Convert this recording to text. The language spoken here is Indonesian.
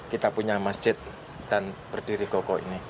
kita punya masjid dan berdiri kokoh ini